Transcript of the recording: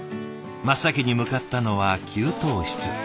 真っ先に向かったのは給湯室。